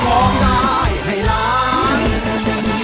ร้องได้ให้ล้าน